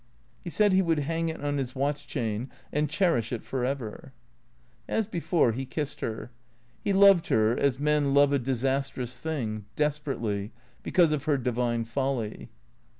He said he would hang it on his watch chain and cherish it for ever. T H E C E E A T 0 K S 283 As before, he kissed her. He loved her, as men love a disas trous thing, desperately, because of her divine folly.